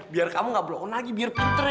biar kamu gak blokon lagi biar pinter ya